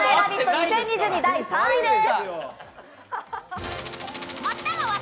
２０２２」３位です。